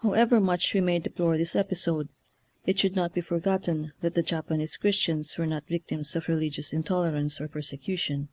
How ever much we may deplore this episode, it should not be forgotten that the Japan ese Christians were not victims of reli gious intolerance or persecution.